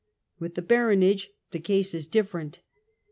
With the baronage the case is different.